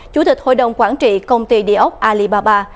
chủ tịch hội đồng quản trị công ty địa ốc alibaba